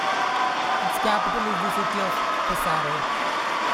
Its capital is the city of Pesaro.